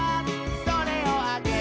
「それをあげるね」